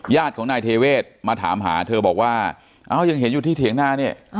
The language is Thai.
ญาติของนายเทเวศมาถามหาเธอบอกว่าอ้าวยังเห็นอยู่ที่เถียงหน้าเนี่ย